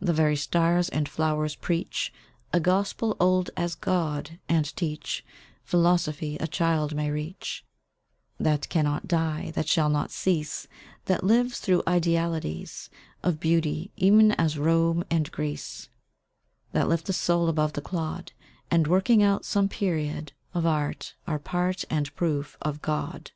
The very stars and flowers preach A gospel old as God, and teach Philosophy a child may reach; That can not die, that shall not cease, That lives through idealities Of beauty, ev'n as Rome and Greece; That lift the soul above the clod, And, working out some period Of art, are part and proof of God.